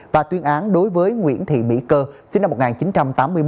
và tuyên án đối với nguyễn thị mỹ cơ sinh năm một nghìn chín trăm tám mươi một